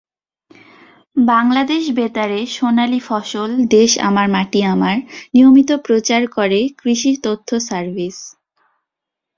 বাংলাদেশ বেতারে "সোনালী ফসল", "দেশ আমার মাটি আমার" নিয়মিত প্রচার করে কৃষি তথ্য সার্ভিস।